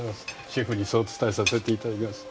シェフにそう伝えさせていただきます。